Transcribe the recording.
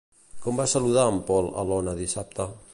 Com va saludar en Pol a l'Ona dissabte?